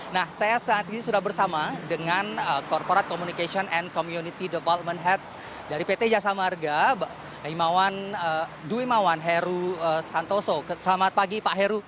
nah saya saat ini sudah bersama dengan corporate communication and community development head dari pt jasa marga dwimawan heru santoso selamat pagi pak heru